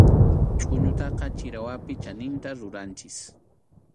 Chʼuñutaqa chirawpi chaninta ruranchik.